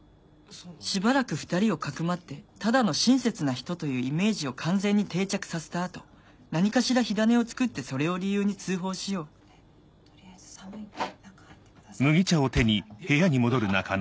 しばらく２人を匿ってただの親切な人というイメージを完全に定着させた後何かしら火種を作ってそれを理由に通報しよう「取りあえず寒いから中入ってください」って言ってくれたの。